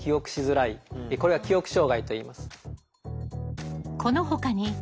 これは記憶障害といいます。